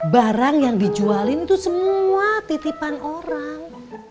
barang yang dijualin itu semua titipan orang